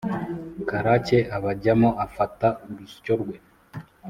karake abajyamo afata urusyo rwe.